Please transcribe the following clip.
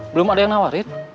belum ada yang nawarin